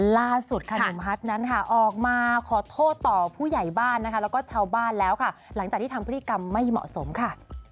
ล่าสุดค่ะหนุ่มฮัทนั้นค่ะออกมาขอโทษต่อผู้ใหญ่บ้านนะคะแล้วก็ชาวบ้านแล้วค่ะหลังจากที่ทำพฤติกรรมไม่เหมาะสมค่ะ